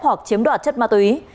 hoặc chiếm đoạt chất ma túy